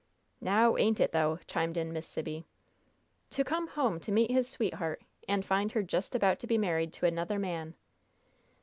"Now ain't it, though" chimed in Miss Sibby. "To come home to meet his sweetheart, and find her just about to be married to another man!"